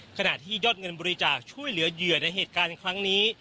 ขณะที่ยอดเงินบริจาคช่วยเหลือเหยื่อในเหตุการณ์ครั้งนี้